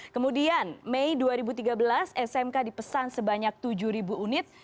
kemudian mei dua ribu tiga belas smk dipesan sebanyak tujuh unit